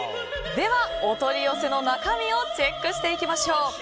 では、お取り寄せの中身をチェックしていきましょう。